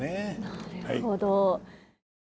なるほど。